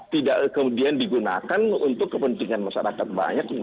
tidak kemudian digunakan untuk kepentingan masyarakat banyak